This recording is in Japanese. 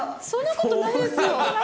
そんなことないですよ。